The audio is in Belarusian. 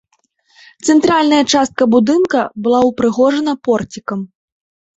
Цэнтральная частка будынка была ўпрыгожана порцікам.